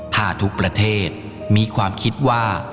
ถ้าทุกประเทศมีความคิดว่า